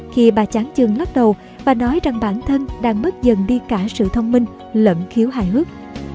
khi bà chán chừng lắc đầu và nói rằng bản thân đang mất dần đi cả sự thông minh lẫn khiếu hài hước